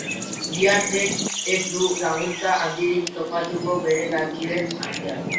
Uriartek ez du laguntza handirik topatuko bere lankideen artean.